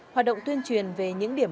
hoạt động tuyên truyền về những điểm